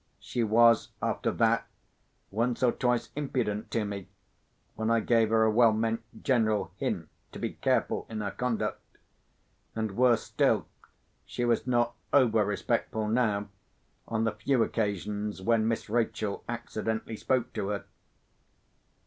She was, after that, once or twice impudent to me, when I gave her a well meant general hint to be careful in her conduct; and, worse still, she was not over respectful now, on the few occasions when Miss Rachel accidentally spoke to her.